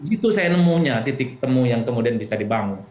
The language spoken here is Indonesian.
itu saya nemunya titik temu yang kemudian bisa dibangun